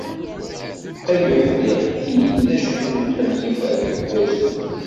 Ay uḥdiq ini-d d acu-t yewḥel yifer deg wazzu.